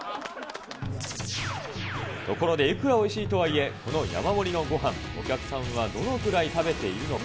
ところで、いくらおいしいとはいえ、この山盛りのごはん、お客さんはどのくらい食べているのか。